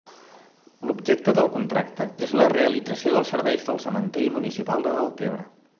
L'objecte del contracte és la realització dels serveis del cementiri municipal de Deltebre.